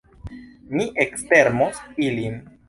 Mi ekstermos ilin!